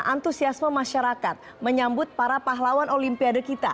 antusiasme masyarakat menyambut para pahlawan olimpiade kita